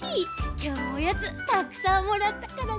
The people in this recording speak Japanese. きょうもおやつたくさんもらったからさ。